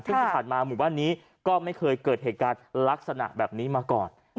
ซึ่งที่ผ่านมาหมู่บ้านนี้ก็ไม่เคยเกิดเหตุการณ์ลักษณะแบบนี้มาก่อน